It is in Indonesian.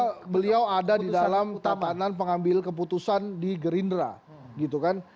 karena beliau ada di dalam tabanan pengambil keputusan di gerindra gitu kan